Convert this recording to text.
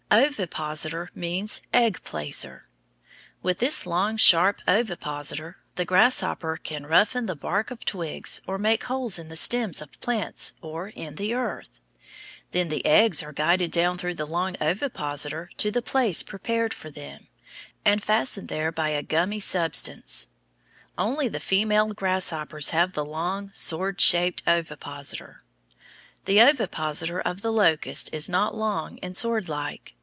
Ovipositor means "egg placer." With this long, sharp ovipositor the grasshopper can roughen the bark of twigs or make holes in the stems of plants or in the earth. Then the eggs are guided down through the long ovipositor to the place prepared for them, and fastened there by a gummy substance. Only the female grasshoppers have the long, sword shaped ovipositor. The ovipositor of the locust is not long and sword like.